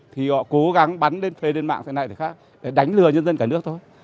chỉ có họ cố gắng bắn lên phê lên mạng thế này thế khác để đánh lừa nhân dân cả nước thôi